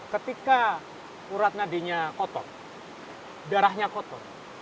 ketika urat nadinya kotor darahnya kotor